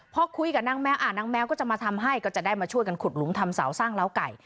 พอคุยกับนางแมวนางแมวก็จะมาทำให้ก็จะได้มาช่วยกันขุดหลุมทำเสาสร้างล้าวไก่